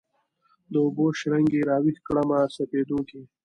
د اوبو شرنګي راویښ کړمه سپېدو کښي